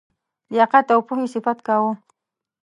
لیاقت او پوهي صفت کاوه.